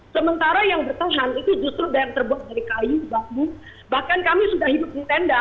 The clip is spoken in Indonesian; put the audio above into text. sementara yang bertahan itu justru yang terbuat dari kayu bambu bahkan kami sudah hidup di tenda